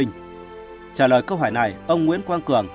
trả lời câu hỏi này ông nguyễn quang cường